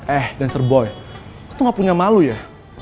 eh dancer boy lo tuh gak punya malu ya